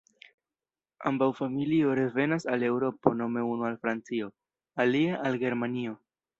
Ambaŭ familio revenas al Eŭropo nome unu al Francio, alia al Germanio.